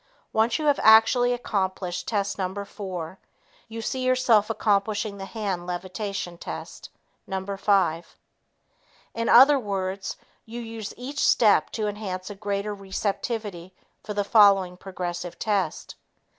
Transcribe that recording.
When you have actually accomplished test No. 4, you see yourself accomplishing the "hand levitation" test No. 5. In other words, you use each step to enhance a greater receptivity for the following progressive test.